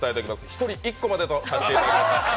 １人１個までとさせていただきます。